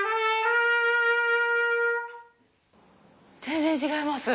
全然違います！